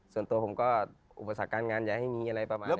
ส่วนตัวผมก็อุปสรรคการงานอย่าให้มีอะไรประมาณนี้